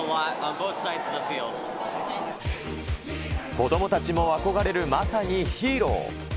子どもたちも憧れるまさにヒーロー。